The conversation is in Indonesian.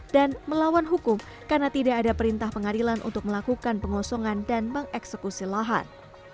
dan melawan hukum karena tidak ada perintah pengadilan untuk melakukan pengosongan dan mengeksekusi lahan